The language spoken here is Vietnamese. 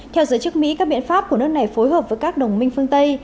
theo giới chức mỹ các biện pháp của nước này phối hợp với các đồng minh phương tây